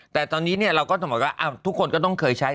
แต่ตอนนี้เราก็เสมอว่าทุกคนก็ต้องเคยใช้